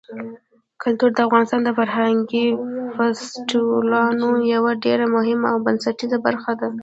کلتور د افغانستان د فرهنګي فستیوالونو یوه ډېره مهمه او بنسټیزه برخه ده.